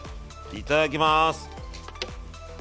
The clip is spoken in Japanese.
いただきます！